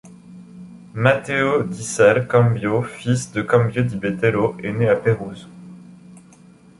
Matteo di ser Cambio, fils de Cambio di Bettolo est né à Pérouse.